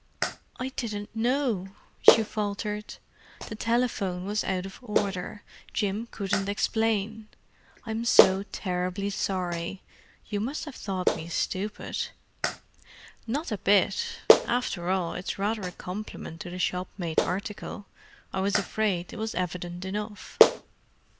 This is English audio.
"I didn't know," she faltered. "The telephone was out of order—Jim couldn't explain. I'm so terribly sorry—you must have thought me stupid." "Not a bit—after all, it's rather a compliment to the shop made article. I was afraid it was evident enough."